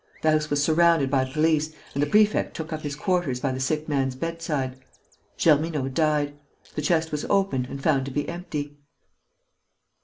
The house was surrounded by police and the prefect took up his quarters by the sick man's bedside. Germineaux died. The chest was opened and found to be empty."